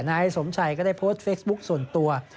นายสมชัยก็ได้โพสต์เฟซบุ๊คส่วนตัว